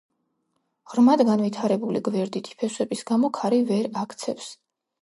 ღრმად განვითარებული გვერდითი ფესვების გამო ქარი ვერ აქცევს.